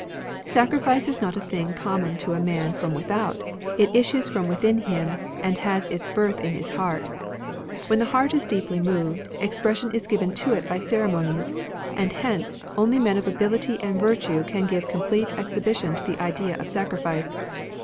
"Sacrifice is not a thing commg to a man from without ; it issues from within him, and has its birth in his heart. When the heart is deeply moved, expression is given to it by cere monies ; and hence, only men of ability and virtue can give complete exhibition to the idea of sacrifice."